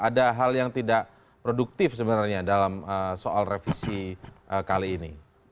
ada hal yang tidak produktif sebenarnya dalam soal revisi kali ini